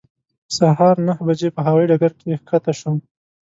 سهار نهه بجې په هوایې ډګر کې ښکته شوم.